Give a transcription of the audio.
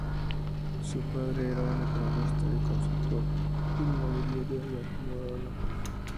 Su padre era un economista y consultor inmobiliario acomodado.